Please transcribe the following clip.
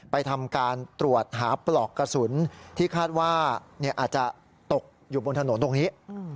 ทำการตรวจหาปลอกกระสุนที่คาดว่าอาจจะตกอยู่บนถนนตรงนี้